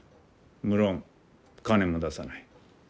無論金も出さない。